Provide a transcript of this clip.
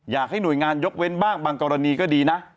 อยากให้หน่วยงานยกเว้นบ้างบางกรณีก็ดีนะ